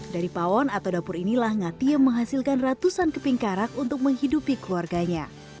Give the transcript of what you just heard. dari pawon atau dapur inilah ngatie menghasilkan ratusan keping karak untuk menghidupi keluarganya